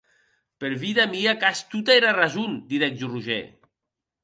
Per vida mia qu’as tota era rason, didec Roger.